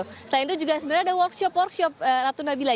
selain itu juga sebenarnya ada workshop workshop ratu nabila